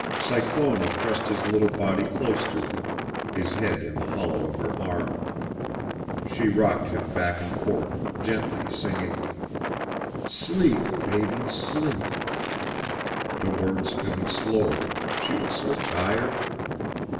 Cyclona pressed his little body close to her, his head in the hollow of her arm. She rocked him back and forth gently, singing: "Sleep, baby, sleep," the words coming slowly, she was so tired.